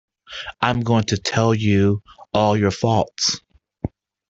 I’m going to tell you all your faults.